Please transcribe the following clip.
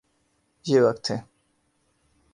یہ وقت ہے۔